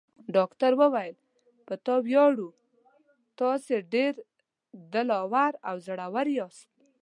ډاکټر وویل: په تا ویاړو، تاسي ډېر دل اور او زړور یاست.